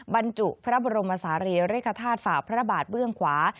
บรรจุพระบรมศาลีริกฐาตุฝ่าพระบาทเบื้องขวา